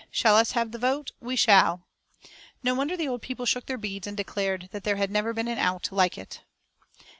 Shall us have the vote? We shall!" No wonder the old people shook their beads, and declared that "there had never been owt like it."